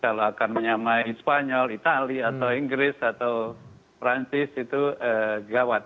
kalau akan menyamai spanyol itali atau inggris atau perancis itu gawat